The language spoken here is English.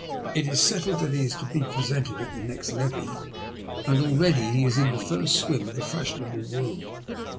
It is settled that he is to be presented at the next levee, and already he is in the first swim of the fashionable world.